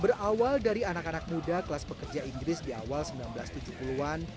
berawal dari anak anak muda kelas pekerja inggris di awal seribu sembilan ratus tujuh puluh an